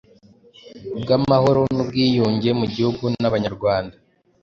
bwamahoro n'ubwiyunge.mugihugu nabanyarwanda